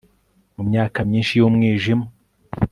Mu myaka myinshi yumwijima